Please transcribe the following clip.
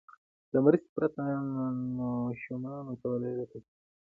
له مرستې پرته نه شو مانا کولای، لکه چې